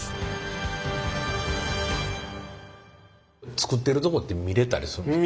つくってるとこって見れたりするんですか？